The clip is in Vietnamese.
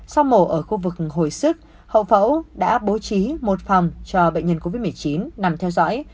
sau mổ ở khu vực hồi sức hậu phẫu đã bố trí một phòng cho bệnh nhân covid một mươi chín nằm theo dõi